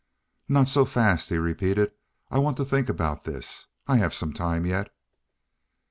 "Not so fast," he repeated. "I want to think about this. I have some time yet."